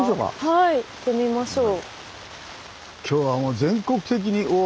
はい行ってみましょう。